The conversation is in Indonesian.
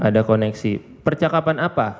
ada koneksi percakapan apa